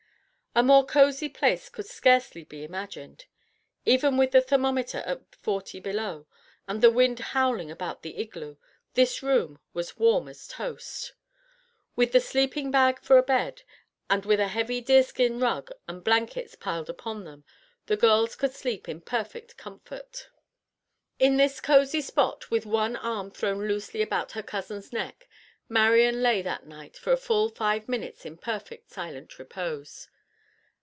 A more cozy place could scarcely be imagined. Even with the thermometer at forty below, and the wind howling about the igloo, this room was warm as toast. With the sleeping bag for a bed, and with a heavy deerskin rug and blankets piled upon them, the girls could sleep in perfect comfort. In this cozy spot, with one arm thrown loosely about her cousin's neck, Marian lay that night for a full five minutes in perfect silent repose.